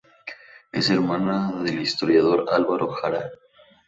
Es hermana del historiador Álvaro Jara.